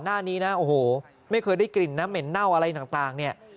หน้านี้นะโอ้โหไม่เคยได้กลิ่นน้ำเหม็นเน่าอะไรต่างเนี่ย